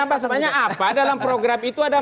apa sebenarnya apa dalam program itu ada